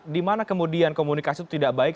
di mana kemudian komunikasi itu tidak baik